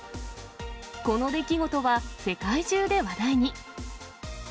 この出来事は、世界中で話題に。